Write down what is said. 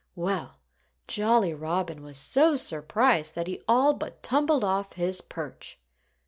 Well, Jolly Robin was so surprised that he all but tumbled off his perch.